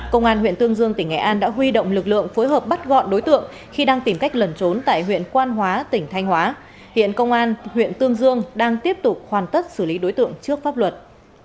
công an huyện tương dương tỉnh nghệ an đã huy động lực lượng phối hợp bắt gọn đối tượng khi đang tìm cách lẩn trốn tại huyện quan hóa tỉnh thanh hóa hiện công an huyện tương dương đang tiếp tục hoàn tất xử lý đối tượng trước pháp luật